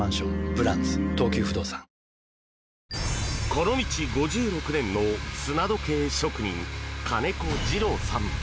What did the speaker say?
この道５６年の砂時計職人金子治郎さん。